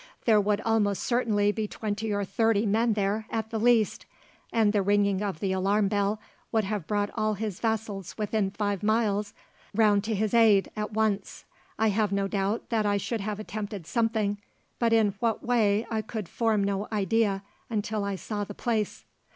There would almost certainly be twenty or thirty men there, at the least, and the ringing of the alarm bell would have brought all his vassals within five miles round to his aid, at once. I have no doubt that I should have attempted something, but in what way I could form no idea, until I saw the place."